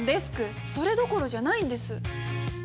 それどころじゃないんです！